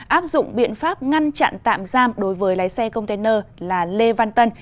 áp dụng biện pháp ngăn chặn tạm giam đối với lái xe container là lê văn tân